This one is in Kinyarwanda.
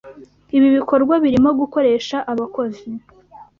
Ibi bikorwa birimo gukoresha abakozi